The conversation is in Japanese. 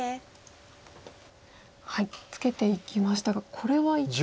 ツケていきましたがこれは一体？